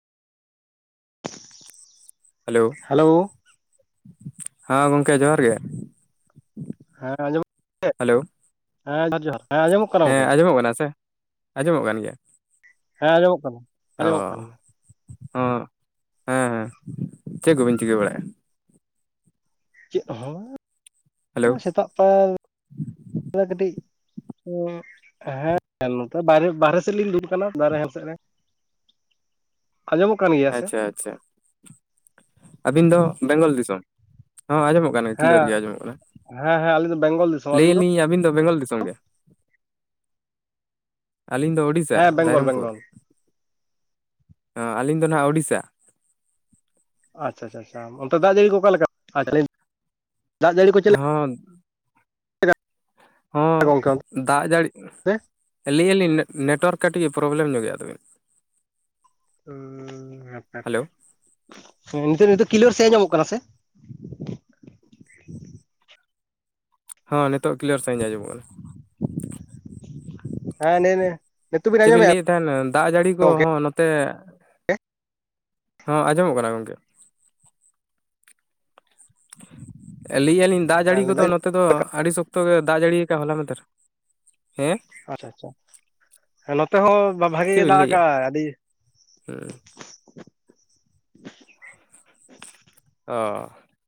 Hello hello ᱦᱮᱸ ᱜᱚᱢᱠᱮ ᱡᱚᱦᱟᱨ ᱜᱮ᱾ ᱦᱮᱸ ᱟᱡᱚᱢᱚᱜᱼᱼ ᱦᱮᱞᱳᱼᱼ ᱦᱮᱸ ᱡᱟᱨ ᱡᱚᱦᱟᱨ ᱦᱮᱸ ᱟᱡᱚᱢᱚᱜ ᱼᱼ ᱦᱮᱸ ᱟᱸᱡᱚᱢᱚᱜ ᱠᱟᱱᱟ ᱥᱮ ᱟᱸᱡᱚᱢᱚᱜ ᱠᱟᱱ ᱜᱮᱭᱟ᱾ ᱦᱮᱸ ᱟᱸᱡᱚᱢᱚᱜ ᱠᱟᱱᱟ᱾ ᱚ ᱟᱸᱡᱚᱢᱚᱜ ᱠᱟᱱ ᱜᱮᱭᱟ ᱦᱚᱸ ᱦᱮᱸ ᱦᱮᱸ ᱪᱮᱫ ᱠᱚᱵᱮᱱ ᱪᱤᱠᱟᱹ ᱵᱟᱲᱟᱭᱮᱫᱼᱟ? ᱪᱮᱫ ᱦᱚ ᱵᱟᱝ ᱼᱼ ᱦᱮᱞᱳ! ᱥᱮᱛᱟᱜ ᱯᱟᱭᱟᱨ ᱵᱟᱲᱟ ᱠᱟᱹᱴᱤᱡ ᱦᱮᱸ ᱱᱚᱛᱮ ᱵᱟᱨᱦᱮ ᱥᱮᱫ ᱞᱤᱧ ᱫᱩᱞ ᱟᱠᱟᱱᱟ ᱫᱟᱨᱮ ᱦᱮᱲ ᱥᱮᱫ ᱨᱮ᱾ [unintelligible] ᱟᱸᱡᱚᱢᱚᱜ ᱠᱟᱱ ᱜᱮᱭᱟ? ᱥᱮ ᱟᱪᱪᱷᱟ ᱟᱪᱪᱷᱟ ᱟᱹᱵᱤᱱ ᱫᱚ ᱵᱮᱝᱜᱚᱞ ᱫᱤᱥᱚᱢ ᱦᱚᱸ ᱟᱸᱡᱚᱢᱚᱜ ᱠᱟᱱᱟ? ᱵᱟᱝ ᱜᱮ ᱦᱮᱸ ᱠᱤᱞᱟᱨ ᱜᱮ ᱟᱡᱚᱢᱚᱜ ᱠᱟᱱᱟ᱾ ᱦᱮᱸ ᱦᱮᱸ ᱟᱞᱤᱧ ᱫᱚ ᱵᱮᱝᱜᱚᱞ ᱫᱤᱥᱚᱢ᱾ ᱞᱟᱹᱭ ᱟᱞᱤᱧ ᱟᱹᱵᱤᱱ ᱫᱚ ᱵᱮᱝᱜᱚᱞ ᱫᱤᱥᱚᱢ ᱜᱮ, ᱟᱹᱞᱤᱧ ᱫᱚ ᱩᱲᱤᱥᱥᱟ ᱦᱮᱸ ᱵᱮᱝᱜᱚᱞ ᱨᱟᱭᱨᱚᱝᱯᱩᱨ, ᱵᱮᱝᱜᱚᱞ ᱟᱹᱞᱤᱧ ᱫᱚ ᱦᱟᱜ ᱳᱲᱤᱥᱥᱟ᱾ ᱟᱪᱪᱷᱟ ᱟᱪᱪᱷᱟ ᱚᱱᱛᱮ ᱫᱟᱜ ᱡᱟᱹᱲᱤ ᱠᱚ ᱚᱠᱟ ᱞᱮᱠᱟ? ᱫᱟᱜ ᱡᱟᱹᱲᱤ ᱠᱚ ᱪᱮᱫ ᱞᱮᱠᱟ ᱦᱚᱸ ᱜᱚᱝᱠᱮ ᱦᱚᱸ ᱫᱟᱜ ᱡᱟᱹᱲᱤ ᱚᱱᱛᱮ ᱞᱟᱹᱭ ᱮᱫᱟ ᱞᱤᱧ, ᱱᱮᱴᱣᱟᱨᱠ ᱠᱟᱹᱴᱤᱡ ᱯᱨᱚᱵᱞᱮᱢ ᱧᱚᱜ ᱮᱫᱟ ᱛᱟᱵᱤᱱ᱾ ᱦᱮᱞᱳ ᱩᱻ ᱱᱤᱛᱚᱜ ᱱᱤᱛᱚᱜ ᱠᱤᱞᱳᱲ ᱥᱮᱫ ᱟᱡᱚᱢᱚᱜ ᱠᱟᱱᱟ ᱥᱮ? ᱦᱚ ᱱᱤᱛᱚᱜ ᱠᱞᱤᱭᱟᱨ ᱥᱟᱦᱤᱡ ᱟᱡᱚᱢᱚᱜ ᱠᱟᱱᱟ᱾ ᱦᱮᱸ ᱞᱮᱭ ᱢᱮᱼᱼ ᱪᱮᱫ ᱵᱤᱱ ᱞᱟᱹᱭᱼᱼ ᱢᱤᱫᱴᱮᱱ ᱫᱟᱜ ᱡᱟᱹᱲᱤ ᱜᱚᱝᱠᱮ ᱠᱚᱦᱚᱸ ᱱᱚᱛᱮ ᱦᱚᱸ ᱟᱸᱡᱚᱢᱚᱜ ᱠᱟᱱᱟ ᱜᱚᱢᱠᱮ᱾ ᱞᱟᱹᱭ ᱮᱫᱟᱞᱤᱧ ᱫᱟᱜ ᱡᱟᱹᱲᱤ ᱠᱚᱫᱚ ᱱᱚᱛᱮ ᱫᱚ ᱟᱹᱰᱤ ᱥᱚᱠᱛᱚ ᱜᱮ ᱫᱟᱜ ᱡᱟᱹᱲᱤ ᱟᱠᱟᱫᱟᱭ ᱦᱚᱞᱟ ᱢᱟᱫᱮᱨ᱾ ᱟᱪᱪᱷᱟ - ᱟᱪᱪᱷᱟ ᱦᱮ ᱱᱚᱛᱮ ᱦᱚᱸ ᱵᱷᱟᱜᱤ ᱪᱮᱫ ᱜᱮ ᱵᱤᱱ ᱫᱟᱜ ᱞᱟᱹᱭᱮᱜᱼᱟ ᱟᱠᱟᱭᱟᱭ ᱟᱹᱰᱤ [unintelligible] ᱟ ᱼᱼ